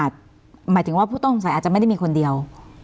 หมายถึงว่าผู้ต้องสงสัยอาจจะไม่ได้มีคนเดียว